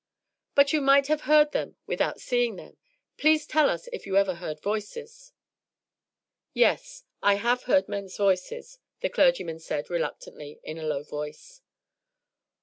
"But you might have heard them without seeing them. Please tell us if you ever heard voices." "Yes, I have heard men's voices," the clergyman said reluctantly, in a low voice.